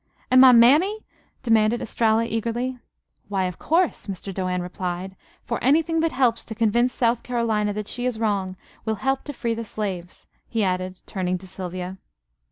"An' my mammy?" demanded Estralla eagerly. "Why, of course," Mr. Doane replied. "For anything that helps to convince South Carolina that she is wrong will help to free the slaves," he added, turning to Sylvia.